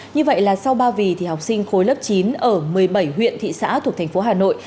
như vậy là sau ba vì thì học sinh khối lớp chín ở một mươi bảy huyện thị xã thuộc tp hà nội